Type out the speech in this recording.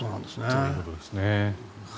そういうことですね。